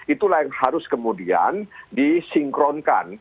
itulah yang harus kemudian disinkronkan